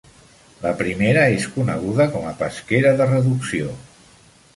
La primera és coneguda com a pesquera de reducció.